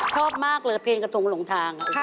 ชอบมากเลยเพลงกระทงหลงทาง